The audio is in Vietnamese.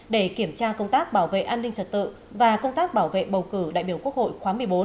để kiểm tra công tác bảo vệ an ninh trật tự và công tác bảo vệ bầu cử đại biểu quốc hội khóa một mươi bốn